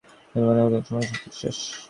তুমি কি মনে কর আমরা এ-সমস্ত বিশ্বাস করি।